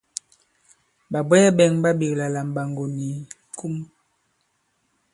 Ɓàbwɛɛ bɛ̄ŋ ɓa ɓēkla la Mɓàŋgò ni Kum.